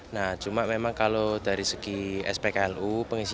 nah cuma memang kalau dari segi spklusi